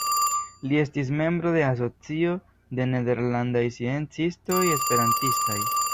Li estis membro de Asocio de Nederlandaj Sciencistoj Esperantistaj.